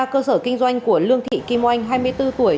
cơ sở kinh doanh của lương thị kim oanh hai mươi bốn tuổi